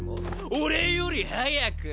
俺より早く！？